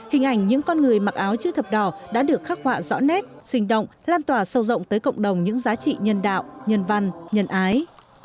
hình ảnh những con người mặc áo chữ thập đỏ đã được khắc họa rõ nét sinh động lan tỏa sâu rộng tới cộng đồng những giá trị nhân đạo nhân văn nhân ái